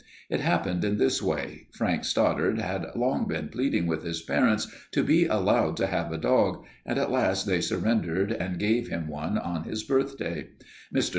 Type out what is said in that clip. It happened in this way: Frank Stoddard had long been pleading with his parents to be allowed to have a dog, and at last they surrendered and gave him one on his birthday. Mr.